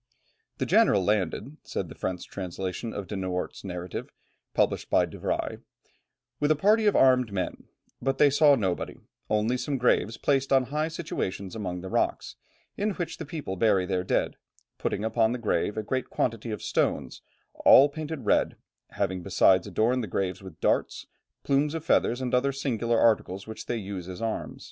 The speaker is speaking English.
"The general landed," says the French translation of De Noort's narrative, published by De Bry, "with a party of armed men, but they saw nobody, only some graves placed on high situations among the rocks, in which the people bury their dead, putting upon the grave a great quantity of stones, all painted red, having besides adorned the graves with darts, plumes of feathers, and other singular articles which they use as arms."